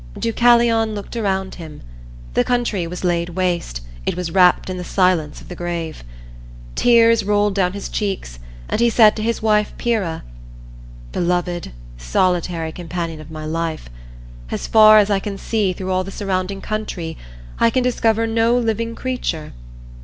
Deucalion looked around him. The country was laid waste; it was wrapped in the silence of the grave. Tears rolled down his cheeks and he said to his wife, Pyrrha, "Beloved, solitary companion of my life, as far as I can see through all the surrounding country, I can discover no living creature.